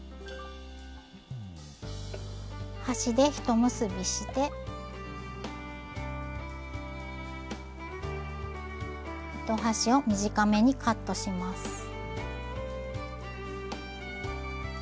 端で一結びして糸端を短めにカットします。